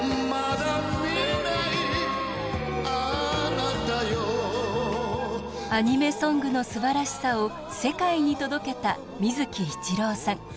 マジンガーＺアニメソングのすばらしさを世界に届けた水木一郎さん。